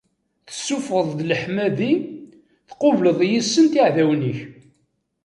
Tessufɣeḍ-d leḥmadi, tqubleḍ yis-sent iɛdawen-ik.